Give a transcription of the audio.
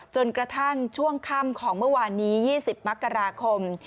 จนกระทั่งช่วงค่ำของเมื่อวานนี้๒๐มกราคม